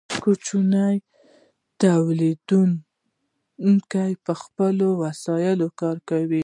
کوچني تولیدونکي په خپلو وسایلو کار کوي.